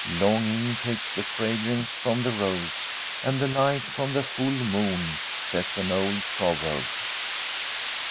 ' Longing takes the fragrance from the rose, and the light from the full moon/ says an old proverb.